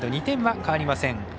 ２点は変わりません。